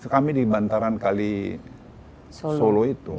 kami di bantaran kali solo itu